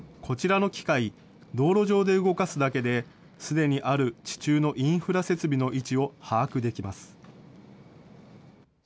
こちらの機械、道路上で動かすだけで、すでにある地中のインフラ設備の位置を把握できます。